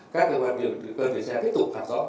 các cơ quan điều